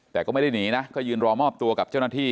แต่ก็ไม่ได้หนีนะก็ยืนรอมอบตัวกับเจ้าหน้าที่